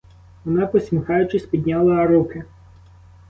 Вона, посміхаючись, підняла руки.